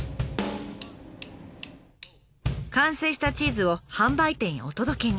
完成したチーズを販売店へお届けに。